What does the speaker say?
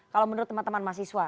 kalau menurut teman teman mahasiswa